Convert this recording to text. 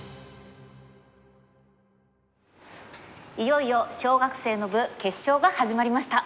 いよいよ小学生の部決勝が始まりました。